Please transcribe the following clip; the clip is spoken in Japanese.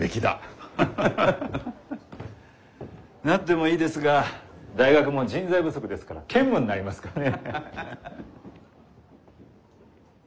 なってもいいですが大学も人材不足ですから兼務になりますかね。